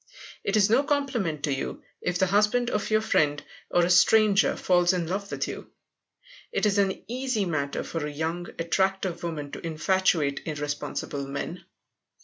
It is no compliment to you if the husband of your friend, or a stranger, falls in love with you. It is an easy matter for a young, attractive woman to infatuate irresponsible men.